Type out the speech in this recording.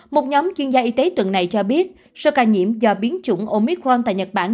một nhóm chuyên gia y tế tuần này cho biết số ca nhiễm do biến chủng omicron tại nhật bản